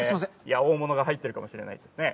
大物が入っているかもしれないですね。